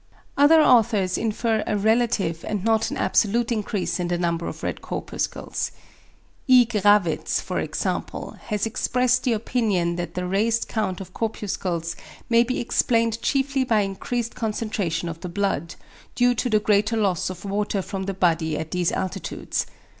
Other authors infer a relative and not an absolute increase in the number of red corpuscles. E. Grawitz, for example, has expressed the opinion that the raised count of corpuscles may be explained chiefly by increased concentration of the blood, due to the greater loss of water from the body at these altitudes.